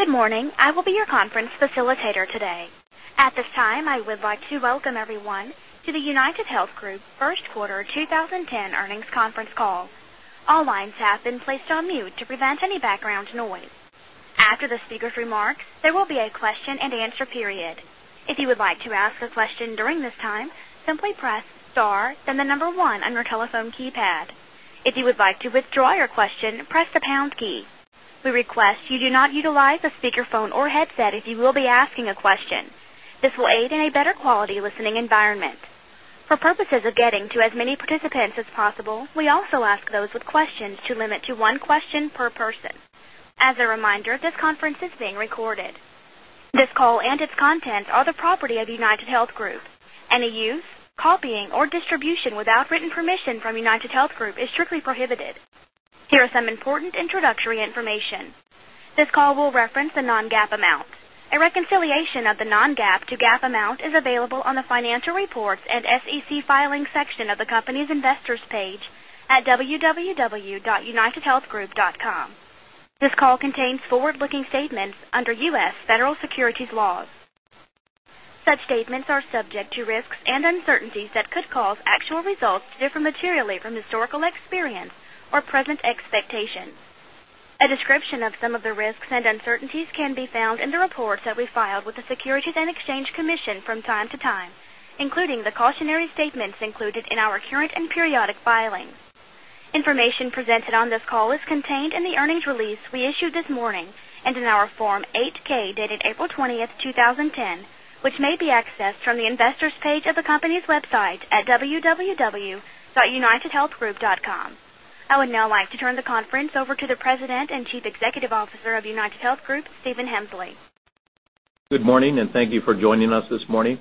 Good morning. I will be your conference facilitator today. At this time, I would like to welcome everyone to the UnitedHealth Group First Quarter 2010 Earnings Conference Call. All lines have been placed on mute to prevent any background noise. After the speakers' remarks, there will be a question and answer period. As a reminder, this conference is being recorded. This call and its contents are the property of UnitedHealth Group. Any use, copying or distribution without written permission from UnitedHealth Group is strictly prohibited. Here are some important introductory information. This call will reference the non GAAP amount. A reconciliation of the non GAAP to GAAP amount is available on the Financial Reports and SEC Filings section of the company's Investors page at www.unitedhealthgroup.com. This call contains forward looking statements under U. S. Federal securities laws. Such statements are subject to risks and uncertainties that could cause actual results to differ materially from historical experience or present expectations. A description of some of the risks and uncertainties be found in the reports that we filed with the Securities and Exchange Commission from time to time, including the cautionary statements included in our current and periodic filings. Information presented on this call is contained in the earnings release we issued this morning and in our Form 8 ks dated April 20, 2010, which may be accessed from the Investors page of the company's website at www.unitedhealthgroup.com. I would now like to turn the conference over to President and Chief Executive Officer of UnitedHealth Group, Stephen Hemsley. Good morning and thank you for joining us this morning.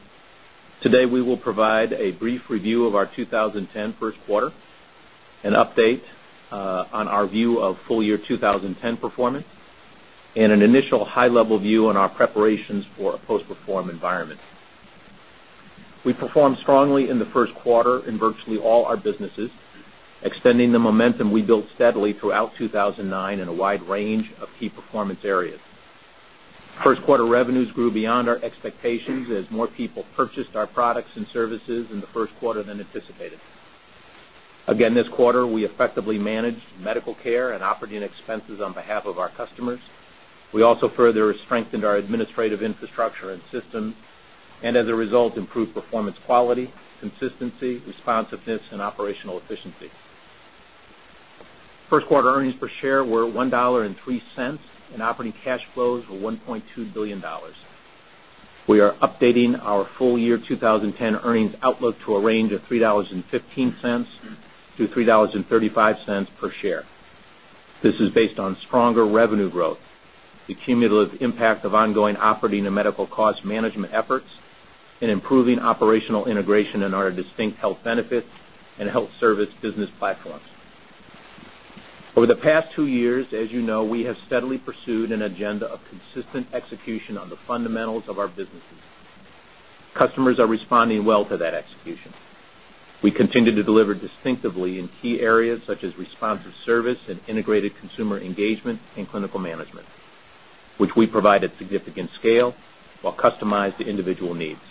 Today, we will provide a brief review of our 20 10 Q1, an update on our view of full year 2010 performance and an initial high level view on our preparations for a post perform environment. We performed strongly in the Q1 in virtually all our businesses, extending the momentum we built steadily throughout 2,009 in a wide range of key performance areas. 1st quarter revenues grew beyond our expectations as more people purchased our products and services in the Q1 than anticipated. Again, this quarter, we effectively managed medical care and operating expenses on behalf of our customers. We also further strengthened our administrative infrastructure and systems and as a result improved performance quality, consistency, responsiveness and operational efficiency. First quarter earnings per share were $1.03 and operating cash flows were $1,200,000,000 We are updating our full year 20 10 earnings outlook to a range of $3.15 to $3.35 per share. This is based on stronger revenue growth, the cumulative impact of ongoing operating and medical cost management efforts, and improving operational integration in our distinct health benefits and health service business platforms. Over the past 2 years, as you know, we have steadily pursued an agenda of consistent execution on the fundamentals of our businesses. Customers are responding well to that execution. We continue to deliver distinctively in key areas such as responsive service and integrated consumer engagement and clinical management, which we provide at significant scale while customized to individual needs.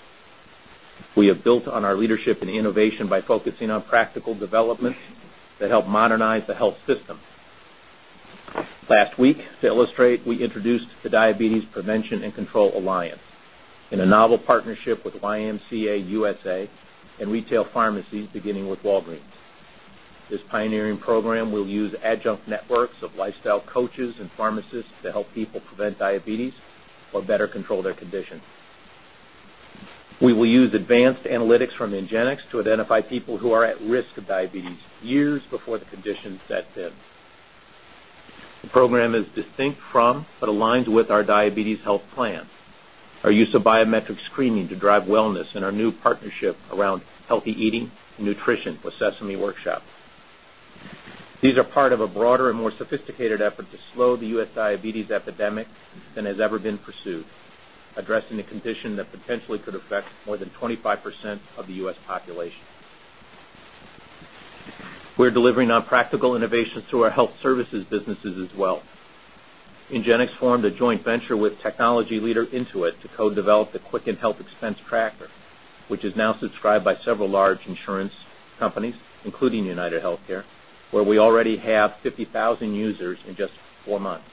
We have built on our leadership and innovation by focusing on practical development to help modernize the health system. Last week to illustrate, we introduced the Diabetes Prevention and Control Alliance in a novel partnership with YMCA USA and retail pharmacies beginning with Walgreens. This pioneering program will use adjunct networks of lifestyle coaches and pharmacists to help people prevent diabetes or better control their condition. We will use advanced analytics from Ingenix to identify people who are at risk of diabetes years before the condition sets in. The program is distinct from but aligns with our diabetes health plan. Our use of biometric screening to drive wellness in our new partnership around healthy eating and nutrition with Sesame Workshop. These are part of a broader and more sophisticated effort to slow the U. S. Diabetes epidemic than has ever been pursued, addressing the condition that potentially could affect more than 25% of the U. S. Population. We are delivering non practical innovations to our health services businesses as well. Ingenix formed a joint venture with technology leader Intuit to co develop the Quicken Health Expense Tracker, which is now subscribed by several large insurance companies including UnitedHealthcare where we already have 50,000 users in just 4 months.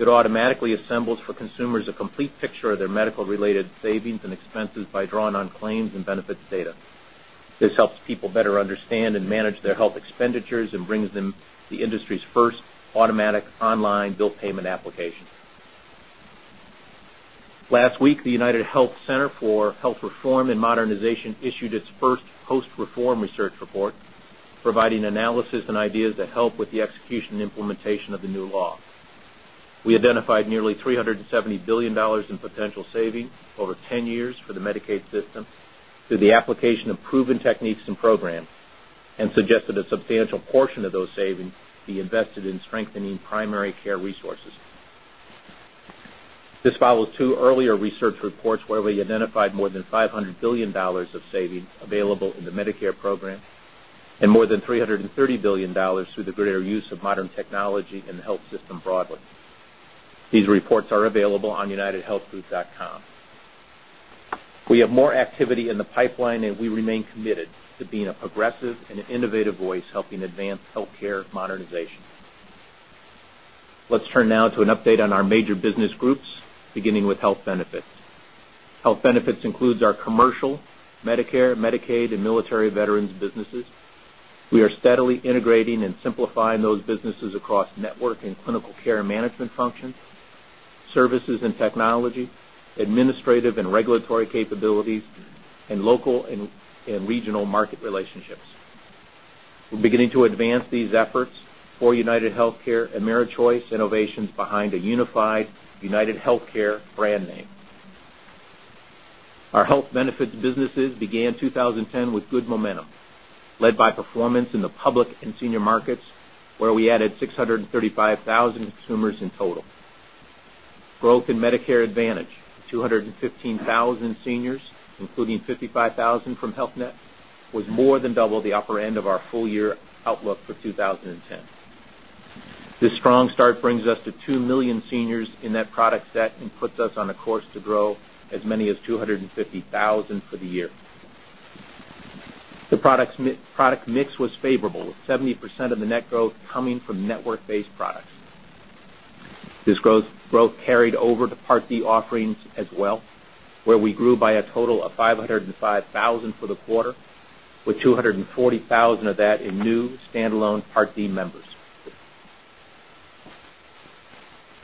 It automatically assembles for consumers a complete picture of their medical related savings and expenses by drawing on claims and benefits data. This helps people better understand and manage their health expenditures and brings them the industry's first automatic online bill payment application. Last week, the United Health Center For Health Reform and Modernization issued its first post reform research report providing analysis and ideas that help with the execution and implementation of the new law. We identified nearly $370,000,000,000 in potential savings over 10 years for the Medicaid system through the application of proven techniques and programs and suggested a substantial portion of those savings be invested in strengthening primary care resources. This follows 2 earlier research reports where we identified more than $500,000,000,000 of savings available in the Medicare program and more than $330,000,000,000 through the greater use of modern technology and the health system broadly. These reports are available on unitedhealthgroup.com. We have more activity in the pipeline and we remain committed to being a progressive and innovative voice helping advance healthcare modernization. Let's turn now to an update on our major business groups, beginning with Health Benefits. Health Benefits includes our commercial, Medicare, Medicaid and military veterans businesses. We are steadily integrating and simplifying those businesses across network and clinical care management functions, services and technology, administrative and regulatory capabilities, and local and regional market relationships. We're beginning to advance these efforts for UnitedHealthcare AmeriChoice innovations behind a unified UnitedHealthcare brand name. Our Health Benefits businesses began 2010 with good momentum, led by performance in the public and senior markets where we added 635,000 consumers in total. Growth in Medicare Advantage 215,000 seniors including 55,000 from Health Net was more than double the upper end of our full year outlook for 2010. This strong start brings us to 2,000,000 seniors in that product set and puts us on a course to grow as many as 250,000 for the year. The product mix was favorable with 70% of the net growth coming from network based products. This growth carried over to Part D offerings as well where we grew by a total of 505,000 for the quarter with 240,000 of that in new standalone Part D members.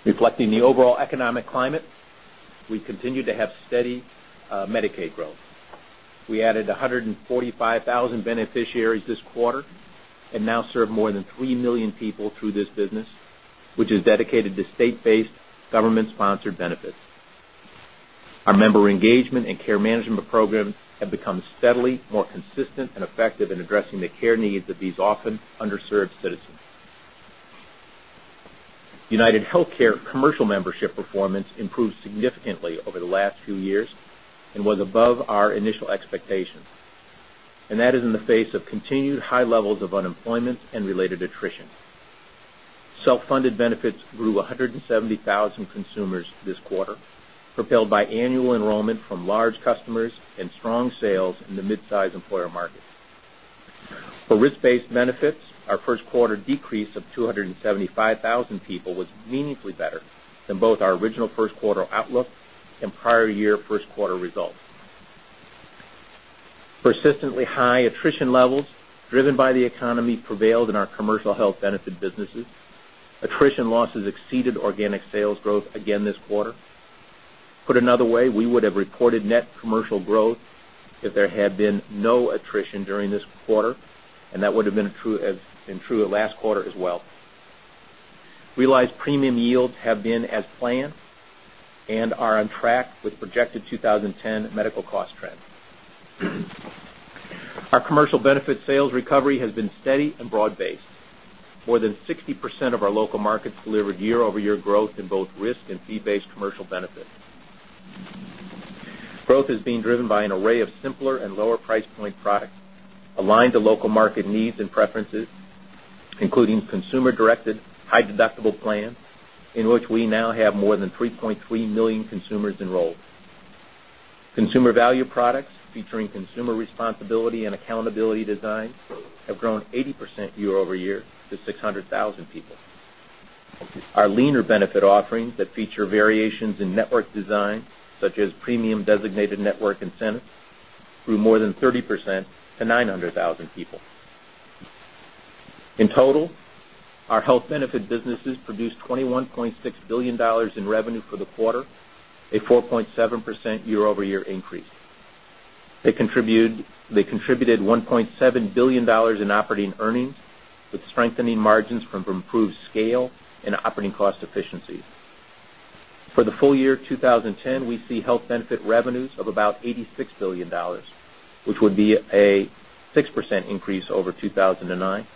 Reflecting the overall economic climate, we continue to have steady Medicaid growth. We added 100 and 45,000 beneficiaries this quarter and now serve more than 3,000,000 people through this business, which is dedicated to state based government sponsored benefits. Our member engagement and care management programs have become steadily more consistent and effective in addressing the care needs of these often underserved citizens. UnitedHealthcare commercial membership performance improved significantly over the last few years and was above our initial expectations. And that is in the face of continued high levels of unemployment and related attrition. Self funded benefits grew 170,000 consumers this quarter, propelled by annual enrollment from large customers and strong sales in the midsize employer market. For risk based benefits, our 1st quarter decrease of 275,000 people was meaningfully better than both our original first quarter outlook and prior year Q1 results. Persistently high attrition levels driven by the economy prevailed in our commercial health benefit business. Attrition losses exceeded organic sales growth again this quarter. Put another way, we would have reported net commercial growth if there had been no attrition during this quarter and that would have been true as been true at last quarter as well. Realized premium yields have been as planned and are on track with projected 20 10 medical cost trend. Our commercial benefit sales recovery has been steady and broad based. More than 60% of our local markets delivered year over year growth in both risk and fee based commercial benefits. Growth has been driven by an array of simpler and lower price point products aligned market needs and preferences, including consumer directed high deductible plan in which we now have more than 3,300,000 consumers enrolled. Consumer value products featuring consumer responsibility and accountability design have grown 80% year over year to 600,000 people. Our leaner benefit offerings that feature variations in network design such as premium designated network incentives grew more than 30% to 900,000 people. In total, our health businesses produced $21,600,000,000 in revenue for the quarter, a 4.7% year over year increase. They contributed $1,700,000,000 in operating earnings with strengthening margins from improved scale and operating cost efficiencies. For the full year 2010, we see health benefit revenues of about $86,000,000,000 which would be a 6% increase over 2,009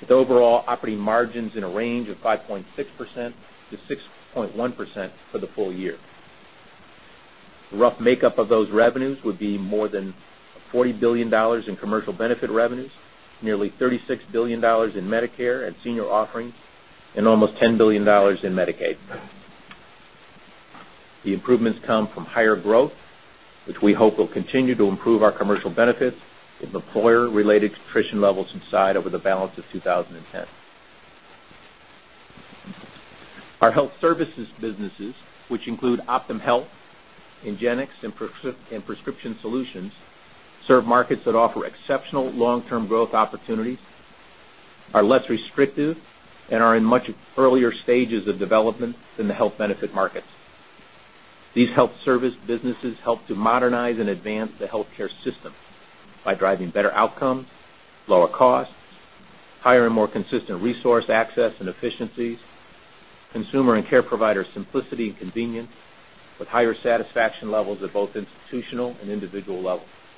with overall operating margins in a range of 5.6% to 6.1% for the full year. Rough makeup of those revenues would be more than $40,000,000,000 in commercial benefit revenues, nearly $36,000,000,000 in Medicare and senior offerings and almost $10,000,000,000 in Medicaid. The improvements come from higher growth, which we hope will continue to improve our commercial benefits with employer related attrition levels inside over the balance of 2010. Our Health Services businesses which include OptumHealth, Ingenix and Prescription Solutions serve markets that offer exceptional long term growth opportunities, are less restrictive and are in much earlier stages of development in the health benefit markets. These health service businesses help to modernize and advance the healthcare system by driving better outcomes, lower costs, higher and more consistent resource access and efficiencies, consumer and care provider simplicity and convenience with higher satisfaction levels at both institutional and individual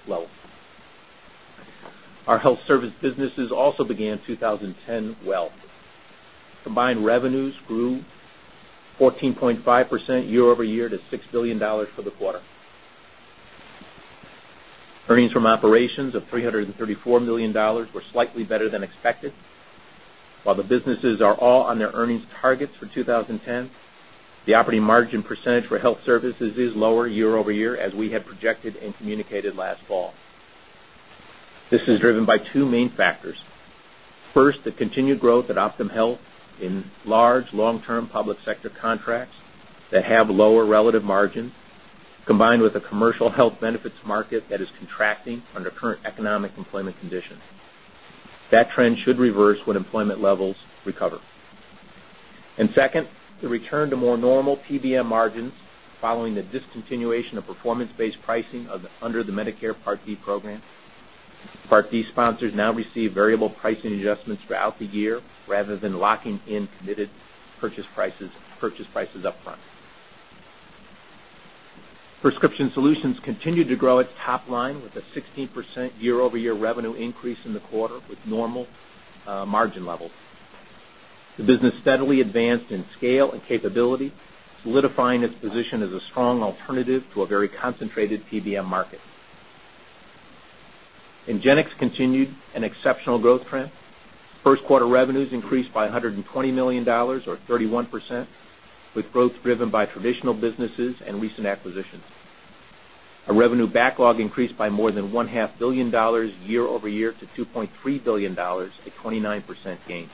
levels. Our Health Service businesses also began 2010 well. Combined revenues grew 14.5 percent year over year to $6,000,000,000 for the quarter. Earnings from operations of $334,000,000 were slightly better than expected. While the businesses are all on their earnings targets for 20.10, the operating margin percentage for Health Services is lower year over year as we had projected and communicated last fall. This is driven by 2 main factors. First, the continued growth at OptumHealth in large long term public sector contracts that have lower relative margin combined with a commercial health benefits market that is contracting under current economic employment conditions. That trend should reverse when employment levels recover. And second, the return to more normal PBM margins following the discontinuation of performance based pricing under the Medicare Part D program. Part D sponsors now receive variable pricing adjustments throughout the year rather than locking in committed purchase prices upfront. Prescription Solutions continued to grow its top line with a 16% year over year revenue increase in the quarter with normal margin levels. The business steadily advanced in scale and capability, solidifying its position as a strong alternative to a very concentrated PBM market. Ingenx continued an exceptional growth trend. First quarter revenues increased by $120,000,000 or 31% with growth driven by traditional businesses and recent acquisitions. Our revenue backlog increased by more than $1,500,000,000 year over year to $2,300,000,000 a 29% gain.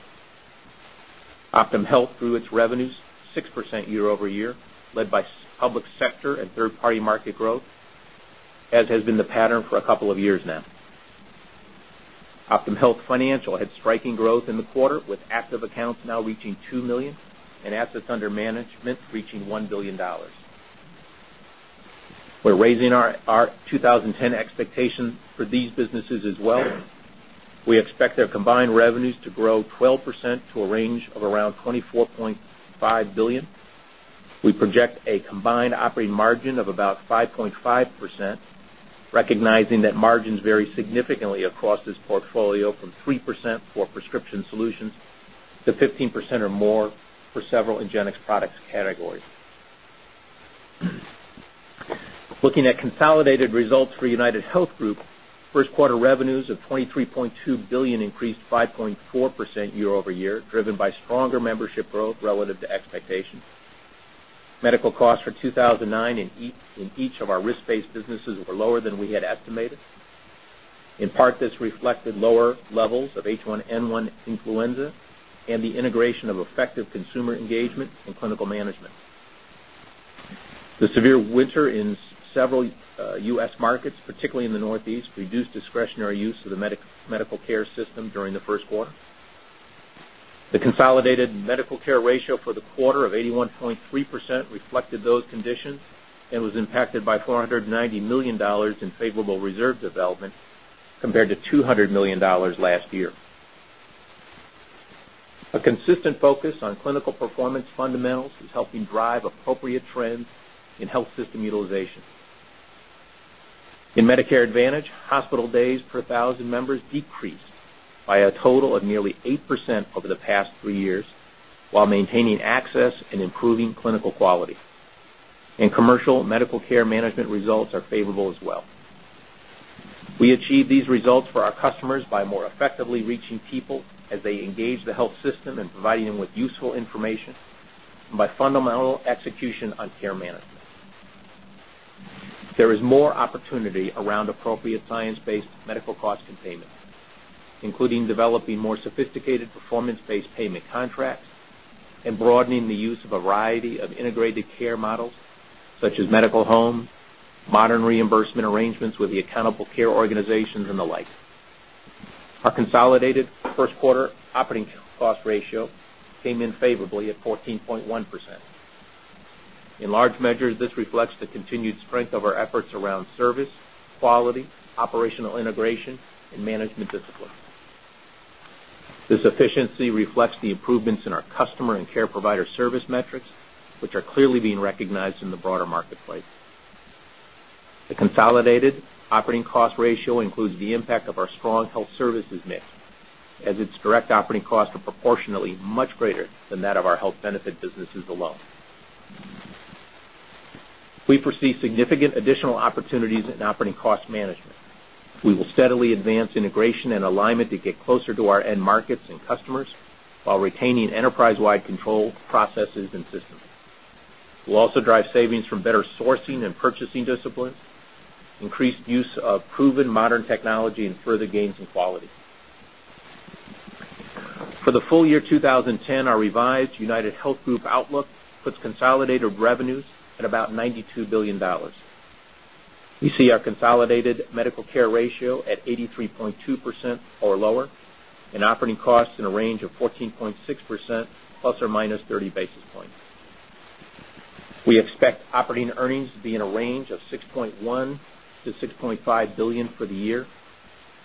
OptumHealth grew its revenues 6% year over year led by public sector and third party market growth as has been the pattern for a couple of years now. OptumHealth Financial had striking growth in the quarter with active accounts now reaching $2,000,000 and assets under management reaching $1,000,000,000 We're raising our 20 10 expectations for these businesses as well. We expect their combined revenues to grow 12% to a range of around 24,500,000,000 We project a combined operating margin of about 5.5 percent recognizing that margins vary significantly across this portfolio from 3% for prescription solutions to 15% or more for several Ingenix products categories. Looking at consolidated results for UnitedHealth Group, 1st quarter revenues of $23,200,000,000 increased 5 point 4% year over year driven by stronger membership growth relative to expectations. Medical costs for 2,009 each of our risk based businesses were lower than we had estimated. In part this reflected lower levels of H1N1 influenza and the integration of effective consumer engagement and clinical management. The severe winter in several U. S. Markets particularly in the Northeast reduced discretionary use of the medical care system during the Q1. The consolidated medical care ratio for the quarter of 81.3 percent reflected those conditions and was impacted by $490,000,000 in favorable reserve development compared to $200,000,000 last year. A consistent focus on clinical performance fundamentals is helping drive appropriate trends in health system utilization. In Medicare Advantage, hospital days per 1,000 members decreased by a total of nearly 8% over the past 3 years, while maintaining access and improving clinical quality. And commercial medical care management results are favorable as well. We achieved these results for our customers by more effectively reaching people as they engage the health system and providing them with useful information by fundamental execution on care management. There is more opportunity around appropriate science based medical cost containment, including developing more sophisticated performance based payment contracts and broadening the use of a variety of integrated care models such as medical home, modern reimbursement arrangements with the accountable care organizations and the like. Our consolidated Q1 operating cost ratio came in favorably at 14.1%. In large measures, this reflects the continued strength of our efforts around service, quality, operational integration and management discipline. This efficiency reflects the improvements in our customer and care provider service metrics which are clearly being recognized in the broader marketplace. The consolidated operating cost ratio includes the impact of our strong health services mix as its direct operating costs are proportionately much greater than that of our health benefit businesses alone. We foresee significant additional opportunities in operating cost management. We will steadily advance integration and alignment to get closer to our end markets and customers, while retaining enterprise wide control processes and systems. We'll also drive savings from better sourcing and purchasing disciplines, increased use of proven modern technology and further gains in quality. For the full year 2010, our revised UnitedHealth Group outlook puts consolidated revenues at about $92,000,000,000 We see our consolidated medical care ratio at 83.2% or lower and operating costs in a range of 14.6% plus or minus 30 basis points. We expect operating earnings to be in a range of $6,100,000,000 to $6,500,000,000 for the year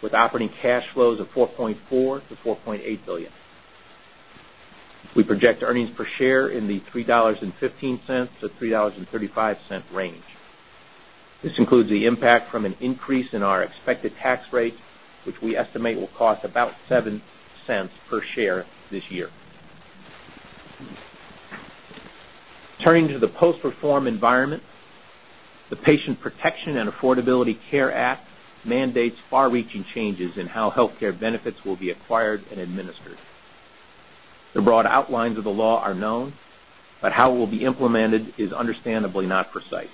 with operating cash flows of $4,400,000,000 to $4,800,000,000.35 range. This includes the impact from an increase in our expected tax rate which we estimate will cost about 0.07 dollars per share this year. Turning to the post reform environment, the Patient Protection and Affordability Care Act mandates far reaching changes in how healthcare benefits will be acquired and administered. The broad outlines of the law are known, but how it will be implemented is understandably not precise.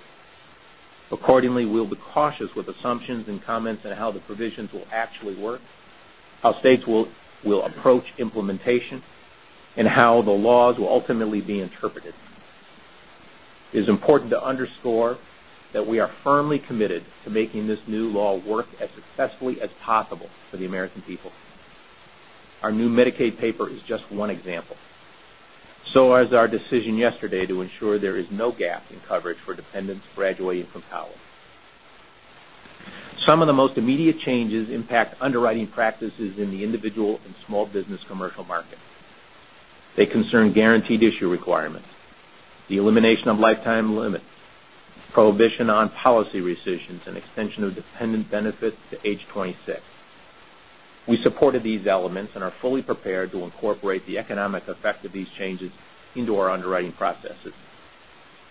Accordingly, we'll be cautious with assumptions and comments on how the provisions will actually work, how states will approach implementation and how the laws will ultimately be interpreted. It is important to underscore that we are firmly committed to making this new law work as successfully as possible for the American people. Our new Medicaid paper is just one example. So as our decision yesterday to ensure there is no gap in coverage for dependents graduating from Powell. Some of the most immediate changes impact underwriting practices in the individual and small business commercial market. They concern guaranteed issue requirements, the elimination of lifetime limits, prohibition on policy rescissions and extension of dependent benefit to age 26. We supported these elements and are fully prepared to incorporate the economic effect of these changes into our underwriting processes.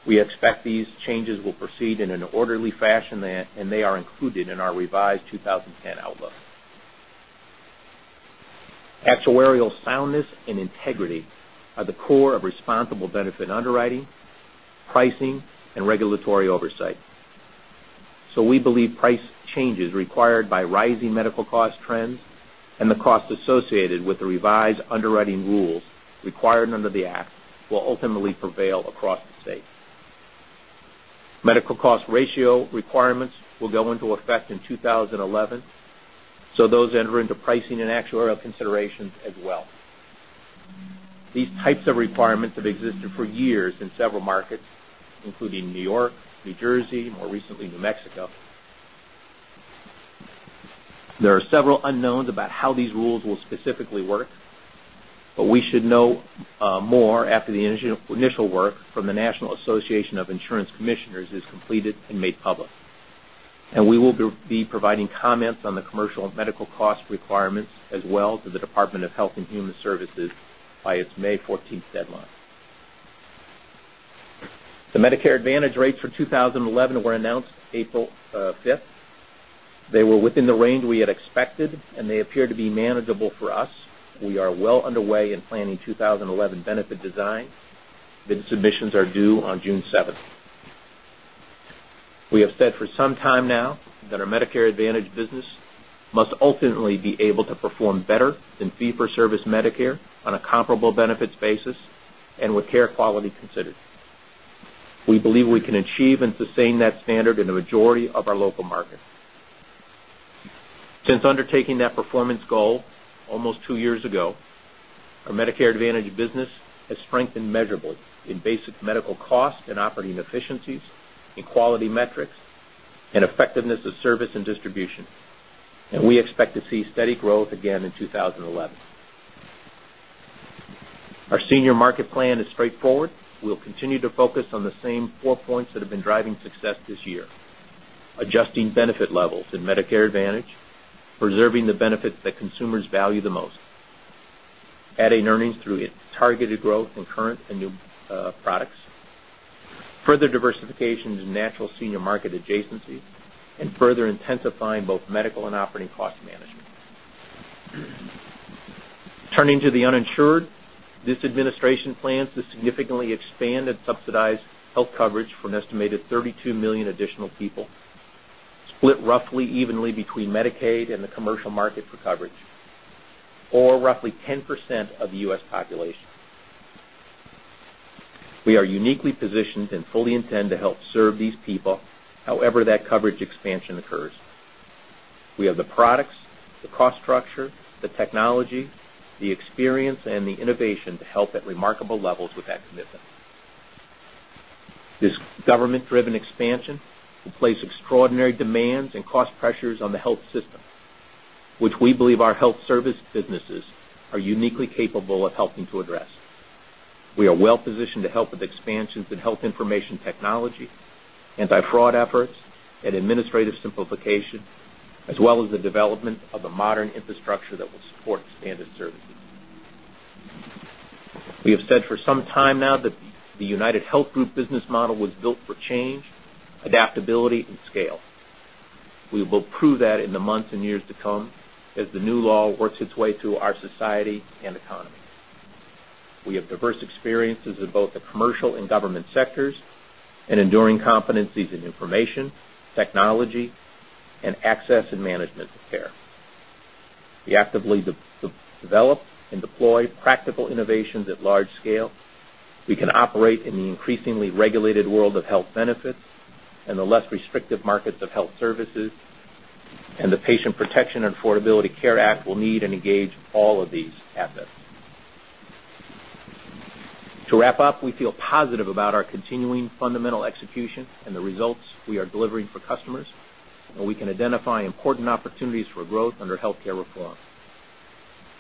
We expect these changes will proceed in an orderly fashion and they are included in our revised 2010 outlook. Actuarial soundness and integrity are the core of responsible benefit underwriting, pricing and regulatory oversight. So we believe price changes required by rising medical cost trends and the cost associated with the revised underwriting rules required under the Act will ultimately prevail across the state. Medical cost ratio requirements will go into effect in 2011, so those enter into pricing and actuarial considerations as well. These types of requirements have existed for years in several markets, including New York, New Jersey, more recently New Mexico. There are several unknowns about how these rules will specifically work, but we should know more after the initial work from the National Association of Insurance Commissioners is completed and made public. And we will be providing comments on the commercial medical cost requirements as well to the Department of Health and Human Services by its May 14 deadline. The Medicare Advantage rates for 2011 were announced April 5. They were within the range we had expected and they appear to be manageable for us. We are well underway in planning 2011 benefit design. That submissions are due on June 7. We have said for some time now that our Medicare Advantage business must ultimately be able to perform better than fee for service Medicare on a comparable benefits basis and with care quality considered. We believe we can achieve and sustain that standard in the majority of our local market. Since undertaking that performance goal almost 2 years ago, our Medicare Advantage business has strengthened measurably in basic medical cost and operating efficiencies, in quality metrics, and effectiveness of service and distribution. And we expect to see steady growth again in 2011. Our senior market plan is straightforward. We'll continue to focus on the same four points that have been driving success this year. Adjusting benefit levels in Medicare Advantage, preserving the benefits that consumers value the most, adding earnings through targeted growth in current and new products, further diversification in natural senior market adjacencies and further intensifying both medical and operating cost management. Turning to the uninsured, this administration plans to significantly expand and subsidize health coverage for an estimated 32,000,000 additional people, split roughly evenly between Medicaid and the commercial market for coverage, or roughly 10% of the U. S. Population. We are uniquely positioned and fully intend to help serve these people, however that coverage expansion occurs. We have the products, the cost structure, the technology, the experience and the innovation to help at remarkable levels with that commitment. This government driven expansion will place extraordinary demands and cost pressures on the health system, which we believe our health service businesses are uniquely capable of helping to address. We are well positioned to help with expansions in health information technology, anti fraud efforts and administrative simplification as well as the development of a modern infrastructure that will support standard services. We have said for some time now that the UnitedHealth Group business model was built for change, adaptability and scale. We will prove that in the months years to come as the new law works its way through our society and economy. We have diverse experiences in both the commercial and government sectors and enduring competencies in information, technology and access and management of care. We actively develop and deploy practical innovations at large scale. We can operate in the increasingly regulated world of health benefits and the less restrictive markets of health services and the Patient Protection and Affordability Care Act will need and engage all of these assets. To wrap up, we feel positive about our continuing fundamental execution and the results we are delivering for customers and we can identify important opportunities for growth under healthcare reform.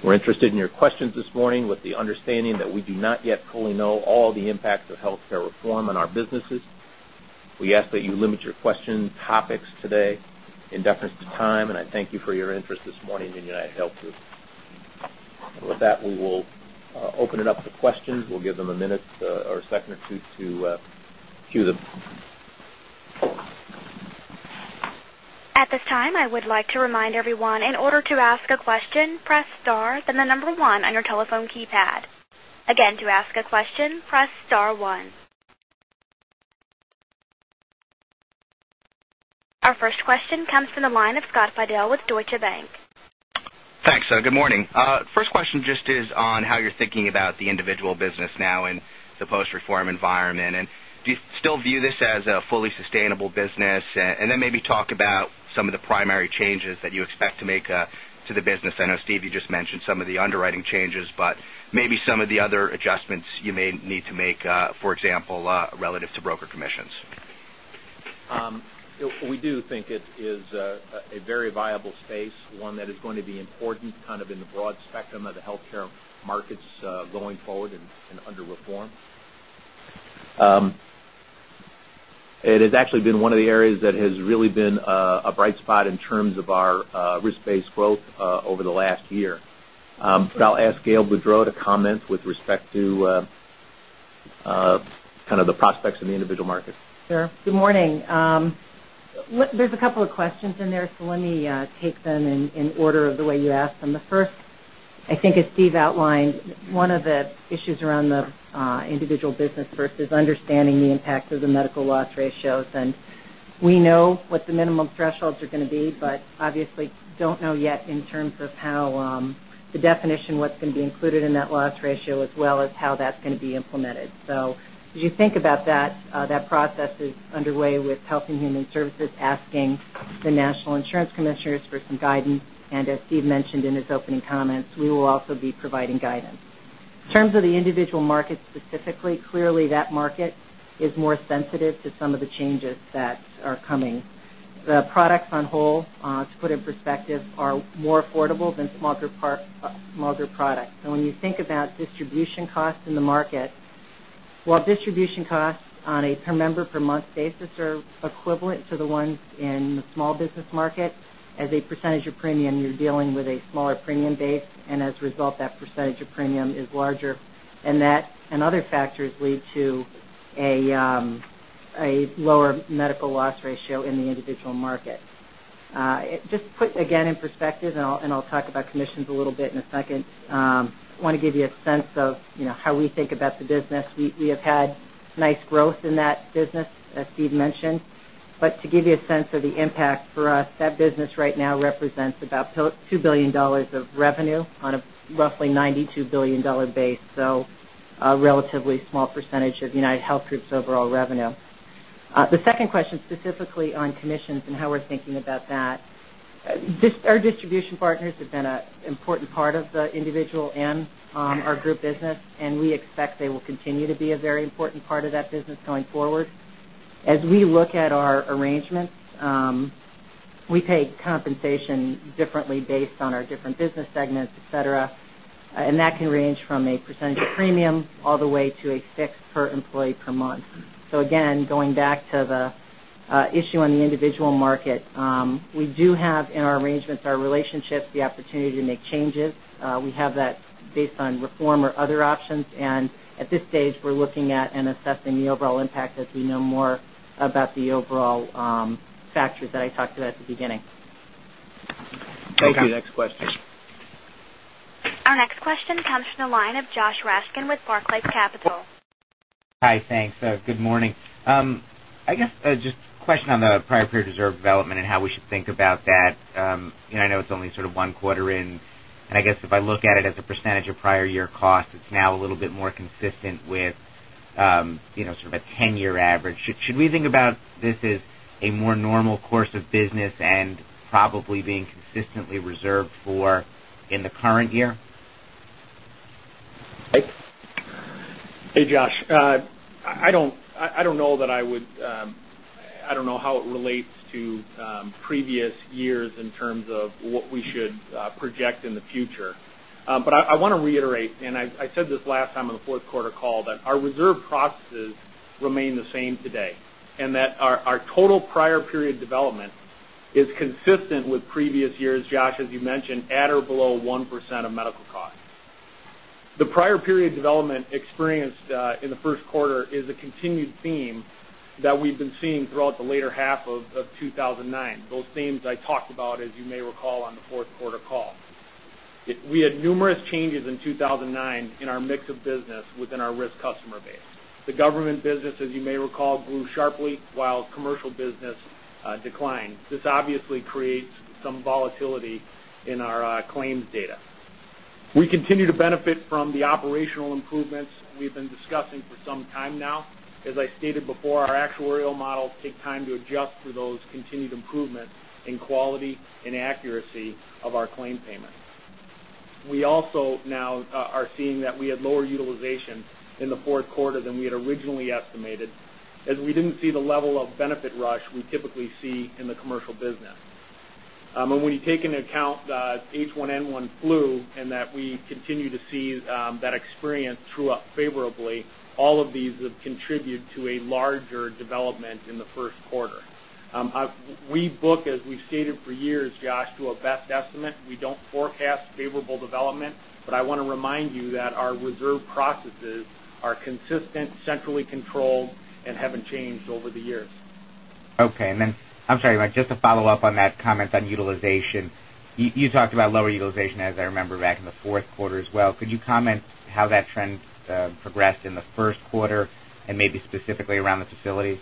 We're interested in your questions this morning with the understanding that we do not yet fully know all the impact of healthcare reform on our businesses. We ask that you limit your question topics today in deference to time and I thank you for your interest this morning in UnitedHealth Group. With that, we will open it up to questions. We'll give them a minute or a second or 2 to queue them. Our first question comes from the line of Scott Fidel with Deutsche Bank. Thanks. Good morning. First question just is on how you're thinking about the individual business now in the post reform environment. And do you still view this as a fully sustainable business? And then maybe talk about some of the primary changes that you expect to make to the business? I know Steve, you just mentioned some of the underwriting changes, but maybe some of the other adjustments you may need to make, relative to broker commissions? We do think it is a very viable space, one that is going to be important kind of in the broad spectrum of the healthcare markets going forward and under reform. It has actually been one of the areas that has really been a bright spot in terms of our risk based growth over the last year. But I'll ask Gail Boudreaux to comment with respect to kind of the prospects in the individual market. Sure. Good morning. There's a couple of questions in there. So let me take them in order of the way you asked them. The first, I think as Steve outlined, one of the issues around the individual business first is understanding the impact of the medical loss ratios. And we know what the minimum thresholds are going to be, but obviously don't know yet in terms of how the definition what's going to be included in that loss ratio as well as how that's going to be implemented. So as you think about that, that process is underway with Health and Human Services asking the National Insurance Commissioners for some guidance. And as Steve mentioned in his opening comments, we will also be providing guidance. In terms of the individual market specifically, clearly that market is more sensitive to some of the changes that are coming. The products on whole to put in perspective are more affordable than small group products. And when you think about distribution costs in the market, while distribution costs on a per member per month basis are equivalent to the ones in the small business market, as a percentage of premium you're dealing with a smaller premium base. And as a result that percentage of premium is larger and that and other factors lead to a lower medical loss ratio in the individual market. Just put again in perspective and I'll talk about commissions a little bit in a second. I want to give you a sense of how we think about the business. We have had nice growth in that business as Steve mentioned. But to give you a sense of the impact for us that business right now represents about $2,000,000,000 of revenue on a roughly $92,000,000,000 base. So a relatively small percentage of UnitedHealth Group's overall revenue. The second question specifically on commissions and how we're thinking about that. Our distribution partners have been an important part of the individual and our group business and we expect they will continue to be a very important part of that business going forward. As we look at our arrangements, we pay compensation differently based on our different business segments etcetera And that can range from a percentage premium all the way to a fixed per employee per month. So again, going back to the issue on the individual market, we do have in our arrangements our relationships, the opportunity to make changes. We have that based on reform or other options. And at this stage, we're looking at and assessing the overall impact as we know more about the overall factors that I talked about at the beginning. Thank you. Next question. Our next question comes from the line of Josh Raskin with Barclays Capital. Hi, thanks. Good morning. I guess just a question on the prior period reserve development and how we should think about that. I know it's only sort of 1 quarter in. And I guess if I look at it as a percentage of prior year costs, it's now a little bit more consistent with sort of a 10 year average. Should we think about this as a more normal course of business and probably being consistently reserved for in the current year? Hey, Josh. I don't know that I would I don't know how it relates to previous years in terms of what we should project in the future. But I want to reiterate and I said this last time in the Q4 call that our reserve processes remain the same today and that our total prior period development is consistent with previous years, Josh, as you mentioned at or below 1% of medical costs. The prior period development experienced in the Q1 is a continued theme that we've been seeing throughout the later half of 2,009. Those themes I talked about as you may recall on the Q4 call. We had numerous changes in 2,009 in our mix of business within our risk customer base. The government business, as you may recall, grew sharply, while commercial business declined. This obviously creates some volatility in our claims data. We continue to benefit from the operational improvements we've been discussing for some time now. As I stated before, our actuarial models take time to adjust for those continued improvements in quality and accuracy of our claim payment. We also now are seeing that we had lower utilization in the Q4 than we had originally estimated as we didn't see the level of benefit rush we typically see in the commercial business. When we take into account that H1N1 flu and that we Q1. We book, as we've stated for years, Josh, to a best estimate. We don't forecast favorable development, but I want to remind you that our reserve processes are consistent centrally controlled and haven't changed over the years. Okay. And then I'm sorry, Mike, just a follow-up on that comment on utilization. You talked about lower utilization as I remember back in the Q4 as well. Could you comment how that trend progressed in the Q1 and maybe specifically around the facilities?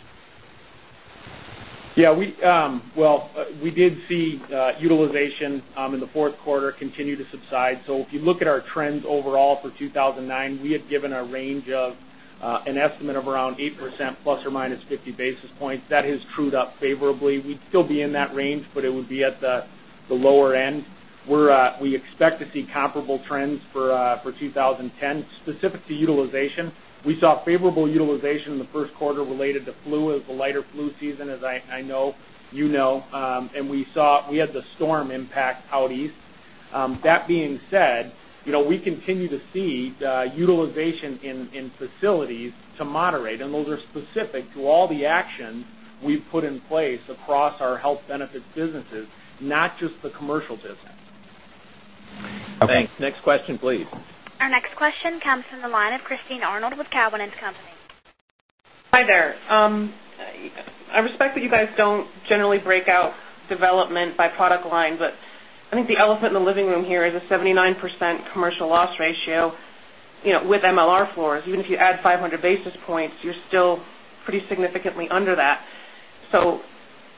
Yes. We well, we did see utilization in the Q4 continue to subside. So if you look at our trends overall for 2,009, we had given a range of an estimate of around 8% plus or minus 50 basis points. That has trued up favorably. We'd still be in that range, but it would be at the lower end. We expect to see comparable trends for 20 10. 10. Specific to utilization, we saw favorable utilization in the Q1 related to flu as the lighter flu season as I know you know, and we saw we had the storm impact out east. That being said, we continue to see utilization in facilities to moderate and those are specific to all the actions we've put in place across our health benefits businesses, not just the commercial business. Thanks. Next question please. Our next question comes from the line of Christine Arnold with Cowen and Company. Hi there. I respect that you guys don't generally break out development by product line, but I think the elephant in the living room here is 79% commercial loss ratio with MLR floors. Even if you add 500 basis points, you're still pretty significantly under that. So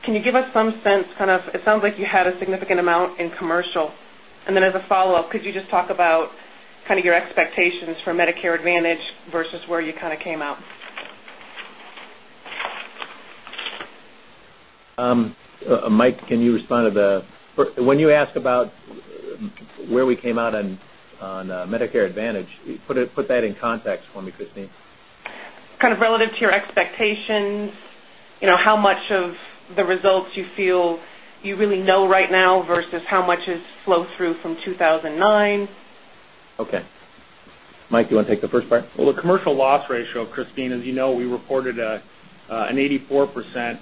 can you give us some sense kind of it sounds like you had a significant amount in commercial? And then as a follow-up, could you just talk about kind of your expectations for Medicare Advantage versus where you kind of came out? Mike, can you respond to the when you ask about where we came out on Medicare Advantage, put that in context for me, Kristine. Kind of relative to your expectations, how much of the results you feel you really know right now versus how much is flow through from 1,009? Okay. Mike, do you want to take the first part? Well, the commercial loss ratio, Christine, as you know, we reported an 84%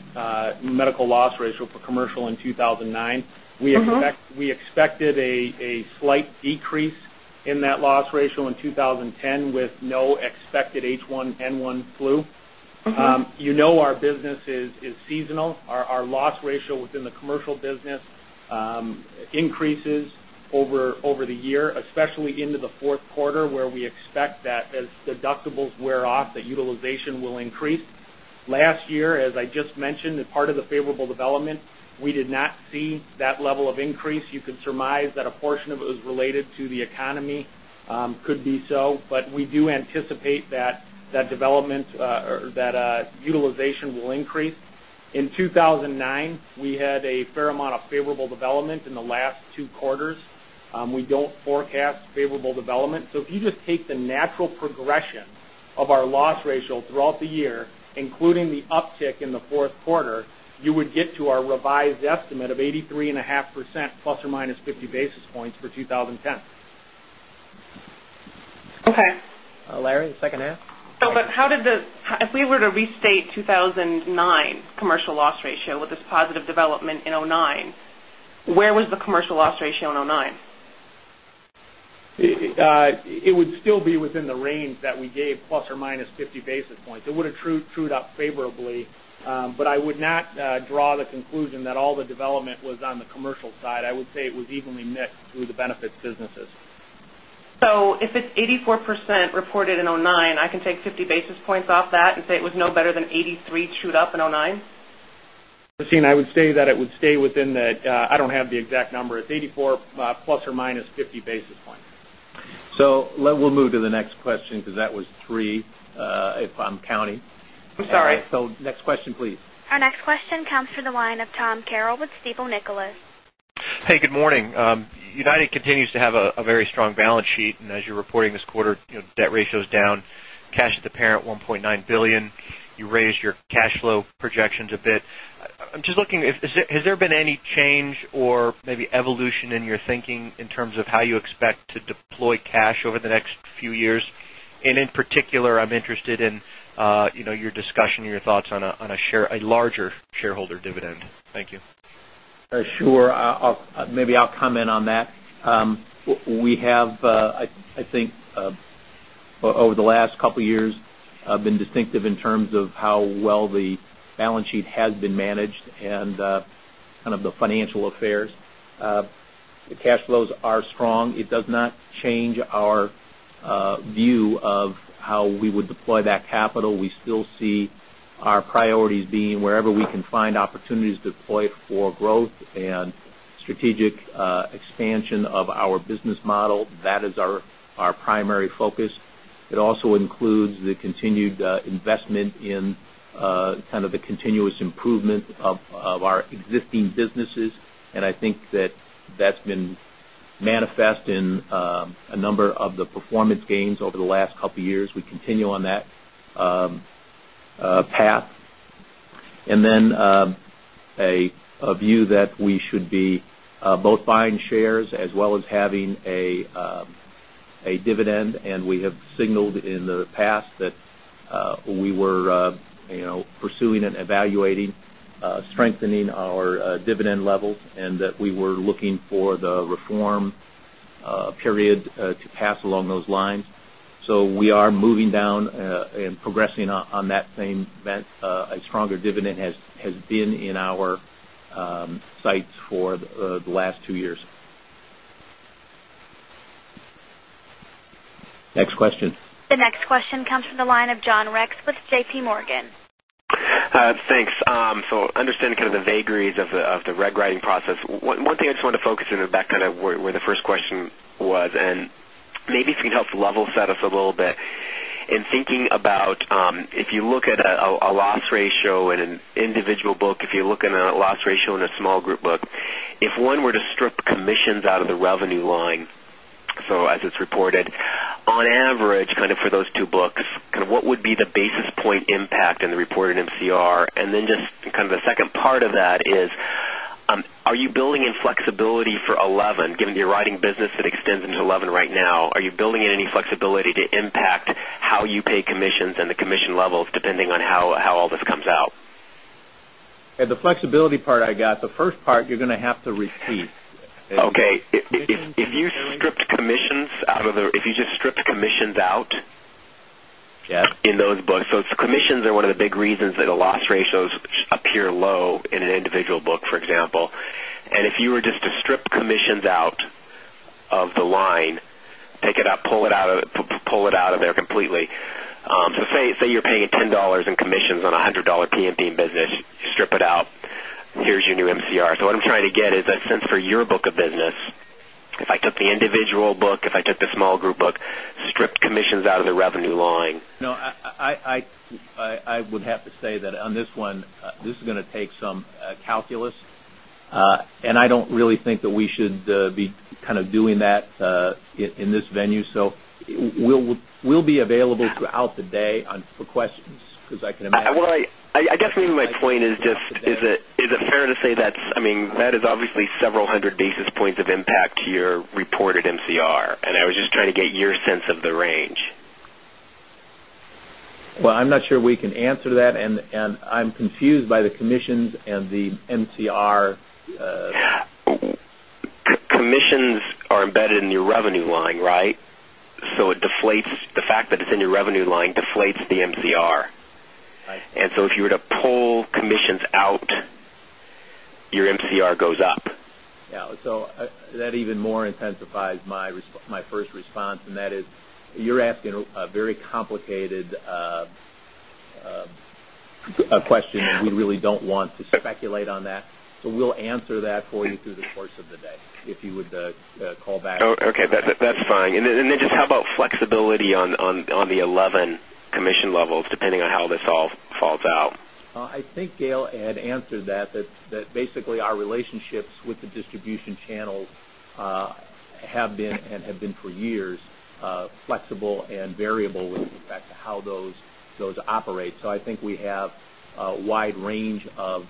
medical loss ratio for commercial in 2,009. We expected a slight decrease in that loss ratio in 2010 with no expected H1N1 flu. You know our business is seasonal. Our loss ratio within the commercial business increases over the year, especially into the Q4 where we expect that as deductibles wear off, the utilization will increase. Last year, as I just mentioned, as part of the favorable development, we did not see that level of increase. You could surmise that a portion of it was related to the economy, could be so, but we do anticipate that development or that utilization will increase. In 2,009, we had a fair amount of favorable development in the last two quarters. We don't forecast favorable development. So if you just take the natural progression of our loss ratio throughout the year, including the uptick in the Q4, you would get to our revised estimate of 83.5% plus or minus 50 basis points for 20 10. Okay. Larry, the second half? So, but how did the if we were to restate 2,009 commercial loss ratio with this positive development, It would still be within the range that we gave plus or minus 50 basis points. It would have trued up favorably, but I would not draw the conclusion that all the development was on the commercial side. I would say it was evenly mixed through the benefits businesses. So if it's 84% reported in 2009, I can take 50 basis points off that and say it was no better than 83% chewed up in 2009? Hassane, I would say that it would stay within that I don't have the exact number. It's 84% plus or minus 50 basis points. So we'll move to the next question because that was 3, if I'm counting. I'm sorry. So next question please. Our next question comes from the line of Tom Carroll with Stifel Nicolaus. Hey, good morning. United continues to have a very strong balance sheet and as you're reporting this quarter debt ratio is down, cash at the parent $1,900,000,000 You raised your cash flow projections a bit. I'm just looking, has there been any change or maybe evolution in your thinking in terms of how you expect to deploy cash over the next few years? And in particular, I'm interested in your discussion, your thoughts on a share a larger shareholder dividend? Thank you. Sure. Maybe I'll comment on that. We have, I think, over the last couple of years, been distinctive in terms of how well the balance sheet has been managed and kind of the financial affairs. The cash flows are strong. It does not change our view of how we would deploy that capital. We still see our priorities being wherever we can find opportunities to deploy for growth and strategic expansion of our business model that is our primary focus. It also includes the continued investment in kind of the continuous improvement of our existing businesses. And I think that that's been manifest in a number of the performance gains over the last couple of years. We continue on that path. And then a view that we should be both buying shares as well as having a dividend and we have signaled in the past that we were pursuing and evaluating, strengthening our dividend levels and that we were looking for the reform period to pass along those lines. So we are moving down and progressing on that same event. A stronger dividend has been in our sites for the last 2 years. The next question comes from the line of John Rex with JPMorgan. So I understand kind of the vagaries of the reg writing process. One thing I just want to focus in about kind of where the first question was and maybe if you can help level set us a little bit in thinking about, if you look at a loss ratio in an individual book, if you look at a loss ratio in a small group book, if one were to strip commissions out of the revenue line, so as it's reported, on average kind of for those 2 books, kind of what would be the basis point impact in the reported MCR? And then just kind of the second part of that is, are you building in flexibility for are you building in flexibility for 11 given the riding business that extends into 11 right now? Are you building in any flexibility to impact how you pay commissions and the commission levels depending on how all this comes out? The flexibility part I got, the first part you're going to have to repeat. Okay. If you stripped commissions out of the if you just stripped commissions out in those books. Commissions are one of the big reasons that the loss ratios appear low in an individual book, for example. If you were just to strip commissions out of the line, take it up, pull it out of there completely, say you're paying $10 in commissions on a $100 PMP business, you strip it out, here's your new MCR. What I'm trying to get is a sense for your book of business, if I took the individual book, if I took the small group book, stripped commissions out of the revenue line? No, I would have to say that on this one, this is going to take some calculus And I don't really think that we should be kind of doing that in this venue. So we'll be available throughout the day for questions because I can imagine. Well, I guess maybe my point is just is it fair to say that's I mean that is obviously several 100 basis points of impact to your reported MCR and I was just trying to get your sense of the range? Well, I'm not sure we can answer that and I'm confused by the commissions and the MCR. Commissions are embedded in your revenue line, right? So, it deflates the fact that it's in your revenue line deflates the MCR. And so if you were to pull commissions out, your MCR goes up. Yes. So that even more intensifies my first response and that is you're asking a very complicated question and we really don't want to speculate on that. So we'll answer that for you through the course of the day, if you would call back. Okay. That's fine. And then just how about flexibility on the 11 commission levels depending on how this all falls out? I think Gail had answered that, that basically our relationships with the distribution channels have been and have been for years flexible and variable with respect to how those operate. So I think we have a wide range of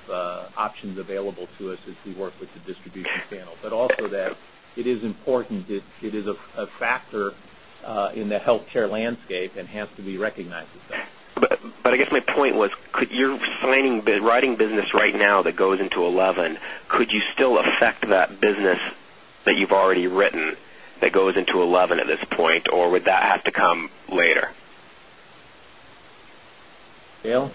options available to us as we work with the distribution channel. But also that it is important that it is a factor in the healthcare landscape and has to be recognized as well. But I guess my point was, could your signing writing business right that goes into 2011, could you still affect that business that you've already written that goes into 2011 at this point or would that have to come later? Dale?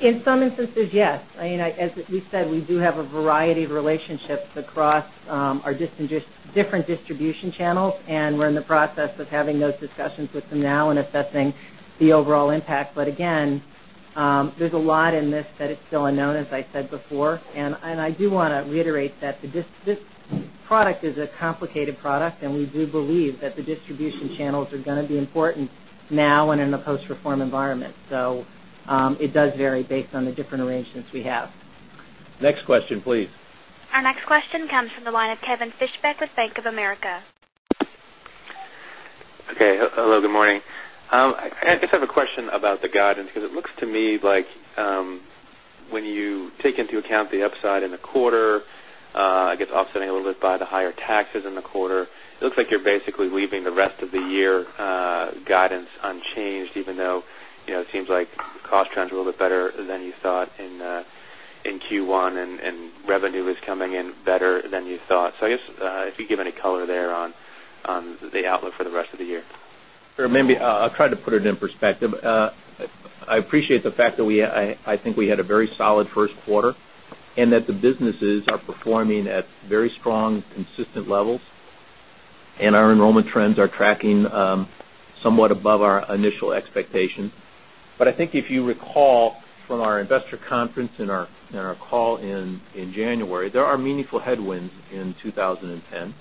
In some instances, yes. I mean, as we said, we do have a variety of relationships across our different distribution channels and we're in the process of having those discussions with them now and assessing the overall impact. But again, there's a lot in this that is still unknown as I said before. And I do want to reiterate that this product is a complicated product and we do believe that the distribution channels are going to be important now and in a post reform environment. So, it does vary based on the different arrangements we have. Next question please. Our next question comes from the line of Kevin Fischbeck with Bank of America. Okay. Hello, good morning. I just have a question about the guidance because it looks to me like when you take into account the upside in the quarter, I guess offsetting a little bit by the higher taxes in the quarter, it looks like you're basically leaving the rest of the year guidance unchanged even though it seems like cost trends were a little bit better than you thought in Q1 and revenue was coming in better than you thought. So I guess if you could give any color there on the outlook for the rest of the year? Maybe I'll try to put it in perspective. I appreciate the fact that we I think we had a very solid Q1 and that the businesses are performing at very strong consistent levels and our enrollment trends are tracking somewhat above our initial expectations. But I think if you recall from our investor conference and our call in January, there are meaningful headwinds in 2010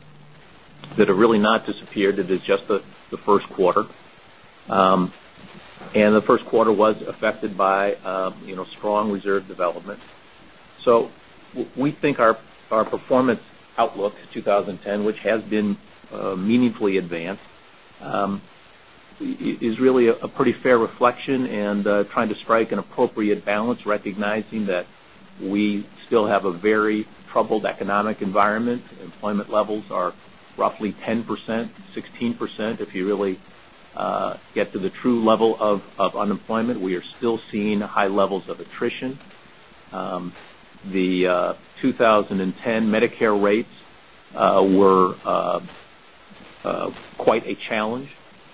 that have really not disappeared. It is just the Q1. And the Q1 was affected by strong reserve development. So we think our performance outlook for 2010, which has been meaningfully advanced, is really a pretty fair reflection and trying to strike an appropriate balance recognizing that we still have a very troubled economic environment. Employment levels are roughly 10%, 16%, if you really get to the true level of unemployment. We are still seeing high levels of attrition. The 2010 Medicare rates were quite a challenge